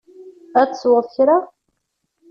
Ad tesweḍ kra?